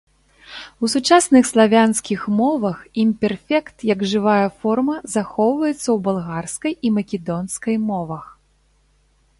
У сучасных славянскіх мовах імперфект як жывая форма захоўваецца ў балгарскай і македонскай мовах.